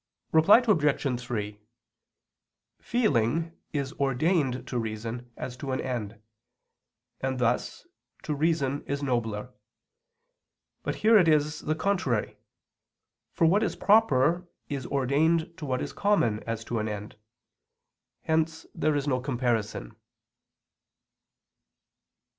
Reply Obj. 3: Feeling is ordained to reason, as to an end; and thus, to reason is nobler. But here it is the contrary; for what is proper is ordained to what is common as to an end. Hence there is no comparison.